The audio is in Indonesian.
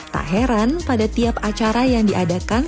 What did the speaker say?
tak heran pada tiap acara yang diadakan